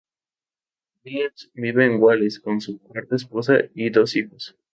Williams vive en Wales con su cuarta esposa y dos hijos.